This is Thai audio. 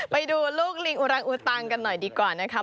ไปดูลูกลิงอุรังอุตังกันหน่อยดีกว่านะคะ